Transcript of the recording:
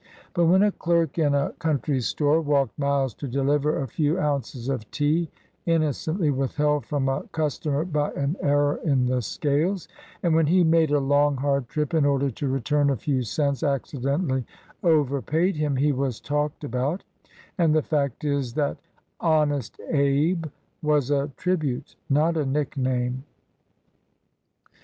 But when a clerk in a country store walked miles to deliver a few ounces of tea innocently withheld from a cus tomer by an error in the scales, and when he made a long, hard trip in order to return a few cents accidentally overpaid him, he was talked about, and the fact is that "honest Abe" was a tribute, not a nickname.